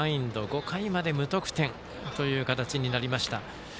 ５回まで無得点という形になりました。